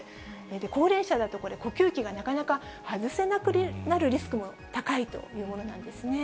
高齢者だとこれ、呼吸器がなかなか外せなくなるリスクも高いというものなんですね。